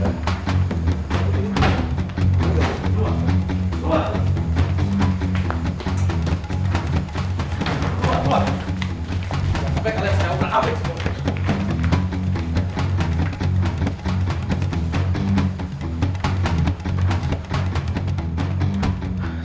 jangan sampai kalian saya ngumpul abik semua